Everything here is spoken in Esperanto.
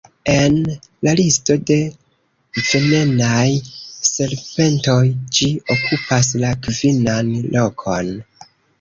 En la listo de venenaj serpentoj ĝi okupas la kvinan lokon.